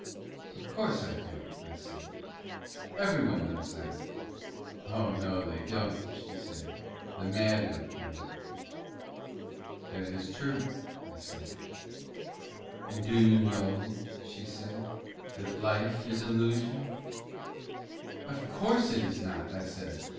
"Of course I do," I said. "Every one knows that." "Oh no they don't," she said, "the mad don't know it." "That is true," I said. "And do you know," she said, "that Life is illusion?" "Of course it is not," I said.